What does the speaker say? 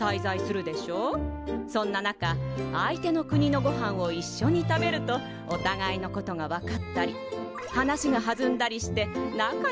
そんな中相手の国のごはんをいっしょに食べるとおたがいのことが分かったり話がはずんだりして仲良くなれるの。